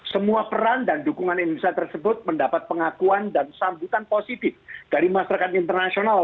semua peran dan dukungan indonesia tersebut mendapat pengakuan dan sambutan positif dari masyarakat internasional